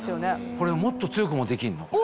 これもっと強くもできるの？